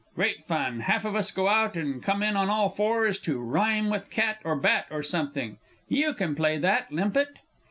Great fun half of us go out, and come in on all fours, to rhyme to "cat," or "bat," or something you can play that, Limpett?